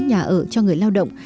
nhà ở cho người lao động